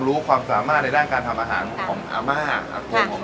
ประสบการณ์ค่าขายกับประสบการณ์ทำงานเราก็เลือก